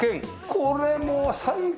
これもう最高！